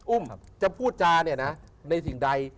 อุ้มจะพูดจ้าในสิ่งใด